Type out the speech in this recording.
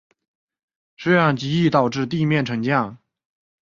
这样极易导致地面沉降。